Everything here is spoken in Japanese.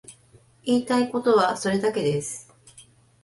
言いたいことはそれだけです。